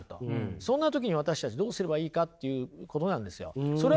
そんな時に私たちどうすればいいかっていうことなんですよ。